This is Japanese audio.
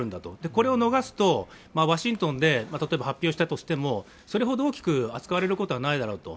これを逃すと、ワシントンで発表したとしてもそれほど大きく扱われることはないだろうと。